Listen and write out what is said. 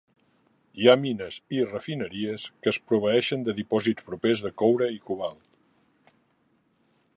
Hi ha mines i refineries que es proveeixen de dipòsits propers de coure i cobalt.